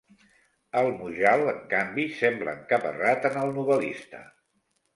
El Mujal, en canvi, sembla encaparrat en el novel·lista.